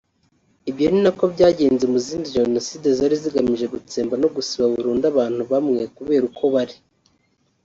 Ibyo ni nako byagenze mu zindi Jenoside; zari zigamije gutsemba no gusiba burundu abantu bamwe kubera uko bari